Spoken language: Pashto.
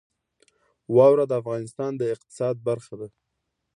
واوره د افغانستان د اقتصاد برخه ده.